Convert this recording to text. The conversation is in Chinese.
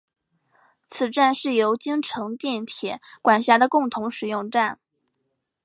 此站是由京成电铁管辖的共同使用站。